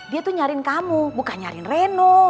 dia tuh nyariin kamu bukan nyariin reno